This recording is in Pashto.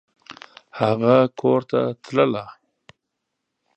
هغه کورته تلله !